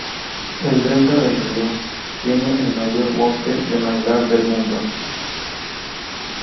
El delta del río tiene el mayor bosque de manglar del mundo.